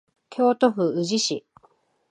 京都府宇治市